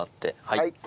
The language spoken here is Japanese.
はい。